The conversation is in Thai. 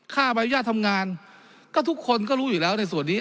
ใบอนุญาตทำงานก็ทุกคนก็รู้อยู่แล้วในส่วนนี้